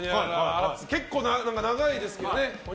結構長いですけどね。